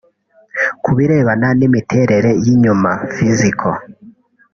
Ku birebana n’imiterere y’inyuma (Physical)